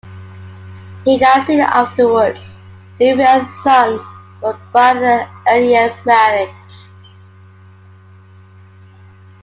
He died soon afterwards, leaving a son, but by an earlier marriage.